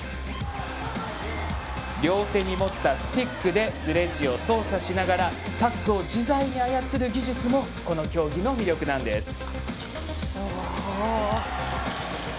両手に持ったスティックでスレッジを操作しながらパックを自在に操る技術もこの競技の魅力なんです。